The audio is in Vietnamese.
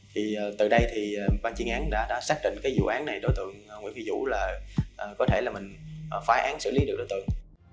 thì từ đây thì ban chuyên án đã xác định cái vụ án này đối tượng nguyễn phi vũ là có thể là mình phái án xử lý được đối tượng